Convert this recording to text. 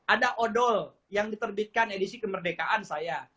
ada odol yang diterbitkan edisi kemerdekaan saya